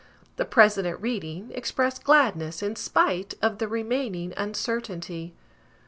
The President reading, expressed gladness, in spite of the remaining uncertainty.